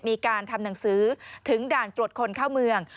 มีการทำหนังสือถึงด่านตรวจคนเข้าเมือง